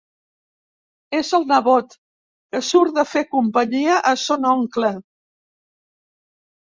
És el nebot, que surt de fer companyia a son oncle.